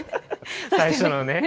最初のね。